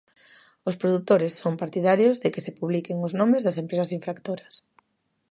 Os produtores son partidarios de que se publiquen os nomes das empresas infractoras.